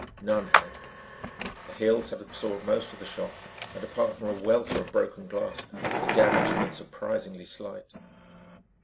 None had. The hills had absorbed most of the shock and apart from a welter of broken glass, the damage had been surprisingly slight.